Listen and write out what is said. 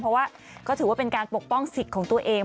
เพราะว่าก็ถือว่าเป็นการปกป้องสิทธิ์ของตัวเอง